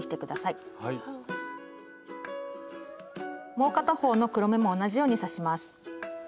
もう片方の黒目も同じように刺します。